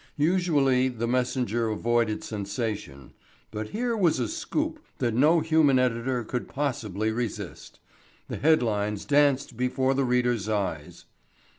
Usually The Messenger avoided sensation; but here was a "scoop" that no human editor could possibly resist. The headlines danced before the reader's eyes.